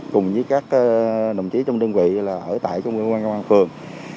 cùng với các đồng chí trong đơn vị là ở tại công an phường